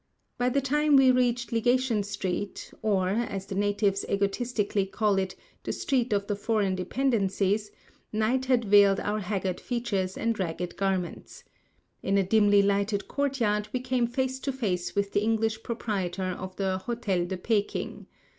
By the time we reached Legation street or, as the natives egotistically call it, "The Street of the Foreign Dependencies," night had veiled our haggard features and ragged garments. In a dimly lighted courtyard we came face to face with the English proprietor of the Hotel de Peking.